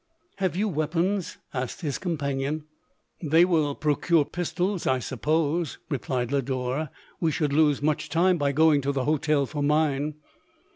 " Have you weapons?" asked his companion. " They will procure pistols, I suppose," re plied Lodore :'; we should lose much time by going to the hotel for mine."